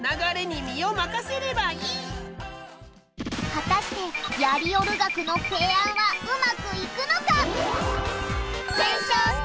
果たしてやりおる学の提案はうまくいくのか？